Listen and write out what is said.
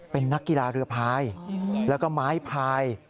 เป็นนักกีฬาเรือพายแล้วก็ไม้พาย